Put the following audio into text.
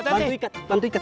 bantu ikat bantu ikat